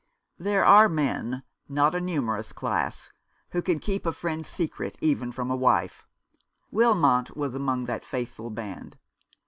There are men — not a numerous class — who can keep a friend's secret even from a wife. Wilmot was among that faithful band.